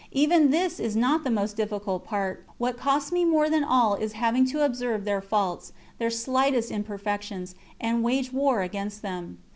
Even this is not the most difficult part; what costs me more than all is having to observe their faults, their slightest imperfections, and wage war against them.